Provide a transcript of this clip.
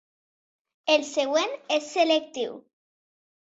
El següent és selectiu.